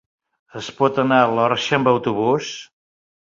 Es pot anar a l'Orxa amb autobús?